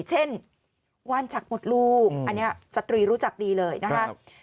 เช่นว่านชักมดลูกอันนี้สตรีรู้จักดีเลยนะคะ